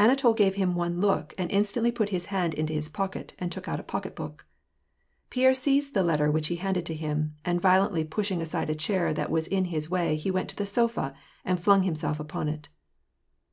Anatol gave him one look, and instantly put his hand into his pocket, and took out a pocket*book. Pierre seized the letter which he handed to him, and, vio lently pushing aside a chair that was in his way, he went to the sofa, and flung himself upon it.